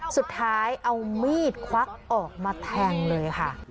สุดท้ายเอามีดควักออกมาแทงเลยค่ะ